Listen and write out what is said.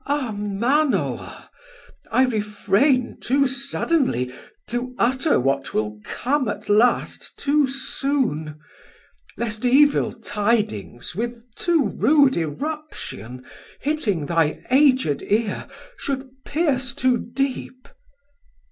Mess: Ah Manoa I refrain, too suddenly To utter what will come at last too soon; Lest evil tidings with too rude irruption Hitting thy aged ear should pierce too deep.